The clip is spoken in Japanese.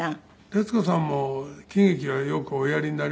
徹子さんも喜劇はよくおやりになりますよね？